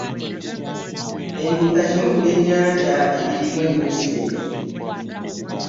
Empuuta kimu ku byennyanja ebirimu ennyo ssente.